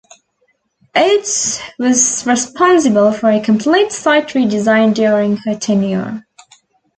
Oates was responsible for a complete site redesign during her tenure.